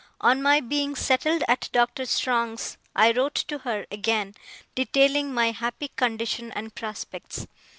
On my being settled at Doctor Strong's I wrote to her again, detailing my happy condition and prospects.